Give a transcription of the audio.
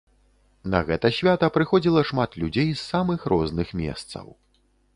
На гэта свята прыходзіла шмат людзей з самых розных месцаў.